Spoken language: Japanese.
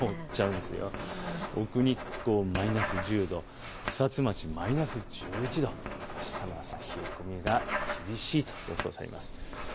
奥日光マイナス１０度、草津町マイナス１１度、あしたの朝は冷え込みが厳しいと予想されます。